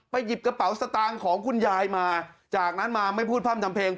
หยิบกระเป๋าสตางค์ของคุณยายมาจากนั้นมาไม่พูดพร่ำทำเพลง